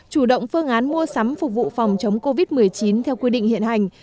chủ động phương án mua sắm phục vụ phòng chống covid một mươi chín theo quy định hiện hành